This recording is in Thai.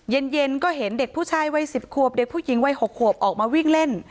เย็นก็เห็นเด็กผู้ชายวัย๑๐ขวบเด็กผู้หญิงวัย๖ขวบออกมาวิ่งเล่น